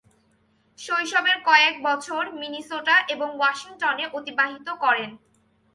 শৈশবের কয়েক বছর মিনেসোটা এবং ওয়াশিংটনে অতিবাহিত করেন।